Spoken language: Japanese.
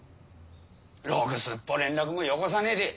ろぐすっぽ連絡もよこさねえで。